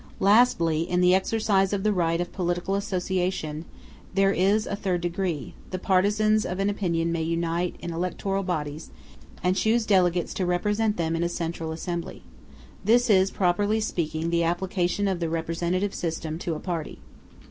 Lastly, in the exercise of the right of political association, there is a third degree: the partisans of an opinion may unite in electoral bodies, and choose delegates to represent them in a central assembly. This is, properly speaking, the application of the representative system to a party.